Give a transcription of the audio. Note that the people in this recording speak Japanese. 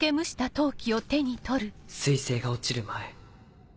彗星が落ちる前。